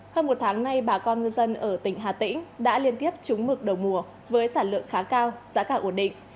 hơn một tháng nay bà con ngư dân ở tỉnh hà tĩnh đã liên tiếp trúng mực đầu mùa với sản lượng khá cao giá cả ổn định